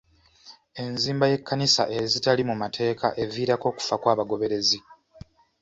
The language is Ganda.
Enzimba y'ekkanisa ezitali mu mateeka eviirako okufa kw'abagoberezi.